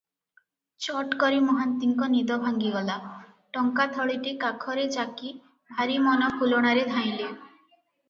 ଚଟକରି ମହାନ୍ତିଙ୍କ ନିଦ ଭାଙ୍ଗିଗଲା, ଟଙ୍କା ଥଳିଟି କାଖରେ ଯାକି ଭାରି ମନ ଫୁଲଣାରେ ଧାଇଁଲେ ।